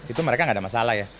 itu mereka nggak ada masalah ya